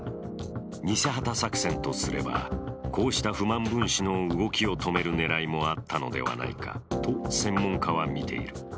偽旗作戦とすればこうした不満分子の動きを止める狙いもあったのではないかと専門家はみている。